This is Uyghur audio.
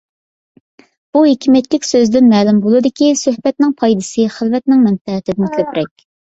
بۇ ھېكمەتلىك سۆزدىن مەلۇم بولىدۇكى، سۆھبەتنىڭ پايدىسى خىلۋەتنىڭ مەنپەئىتىدىن كۆپرەك.